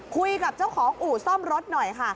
คุยกับเจ้าของอู่ซ่อมรถหน่อยค่ะ